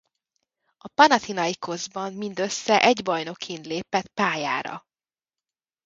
A Panathinaikószban mindössze egy bajnokin lépett pályára.